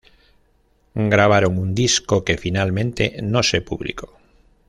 Grabaron un disco que finalmente no se publicó.